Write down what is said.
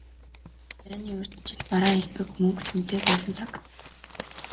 Дайны урьд жил бараа элбэг, мөнгө ч үнэтэй байсан цаг.